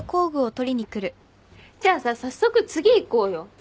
じゃあさ早速次いこうよ。えっ？